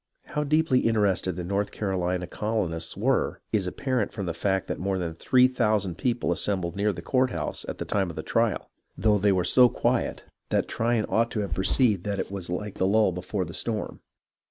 How deeply interested the North Carolina colonists were is apparent from the fact that more than three thousand people assembled near the court house at the time of the trial, though they were so quiet that Tryon ought to have perceived that it was like the lull before the storm.